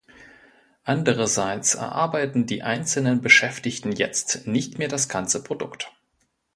Andererseits erarbeiten die einzelnen Beschäftigten jetzt nicht mehr das ganze Produkt.